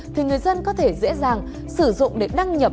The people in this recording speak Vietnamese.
thì người dân có thể dễ dàng sử dụng để đăng nhập